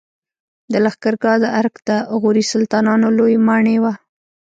د لښکرګاه د ارک د غوري سلطانانو لوی ماڼۍ وه